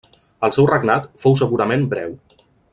El seu regnat fou segurament breu.